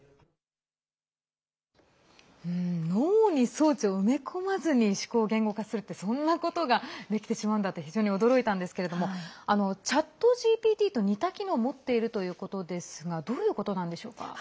脳に装置を埋め込まずに思考を言語化するってそんなことができてしまうんだって非常に驚いたんですけれどもＣｈａｔＧＰＴと似た機能を持っているということですがどういうことなんでしょうか？